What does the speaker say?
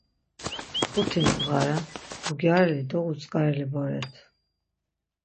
Xuti ndğa ren ugyareli do utzǩareli boret.